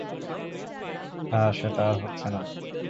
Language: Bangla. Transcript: হ্যাঁ, সেটা আর হচ্ছে না।